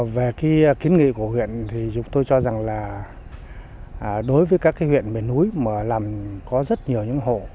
về cái kiến nghị của huyện thì chúng tôi cho rằng là đối với các cái huyện miền núi mà làm có rất nhiều những hộ